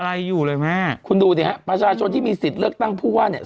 อะไรอยู่เลยแม่คุณดูดิฮะประชาชนที่มีสิทธิ์เลือกตั้งผู้ว่าเนี่ย